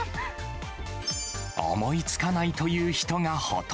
思いつかないという人がほと